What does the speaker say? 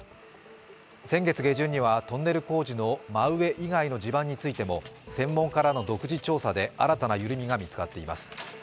先月下旬にはトンネル工事の真上以外の地盤についても専門家らの独自調査で新たなゆるみが見つかっています。